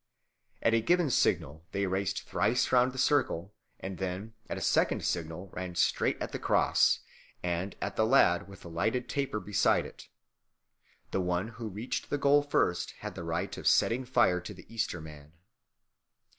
At a given signal they raced thrice round the circle, and then at a second signal ran straight at the cross and at the lad with the lighted taper beside it; the one who reached the goal first had the right of setting fire to the Easter Man.